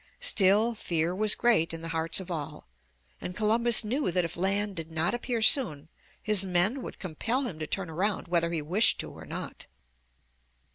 Still fear was great in the hearts of all, and Columbus knew that if land did not appear soon, his men would compel him to turn around whether he wished to or not.